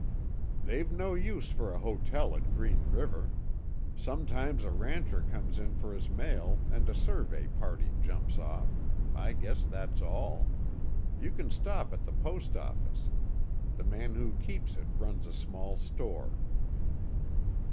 "They've no use for a hotel at Green River. Sometimes a rancher comes in for his mail and a survey party jumps off. I guess that's all. You can stop at the post office. The man who keeps it runs a small store."